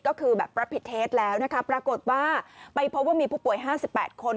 ก็คือแบบรับผิดเทสแล้วนะคะปรากฏว่าไปพบว่ามีผู้ป่วย๕๘คน